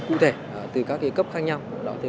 cụ thể từ các cái cấp khác nhau